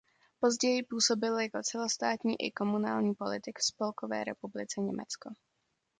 Později působil jako celostátní i komunální politik v Spolkové republice Německo.